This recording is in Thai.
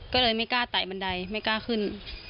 ก็เลยไม่กล้าไต่บันไดไม่กล้าขึ้น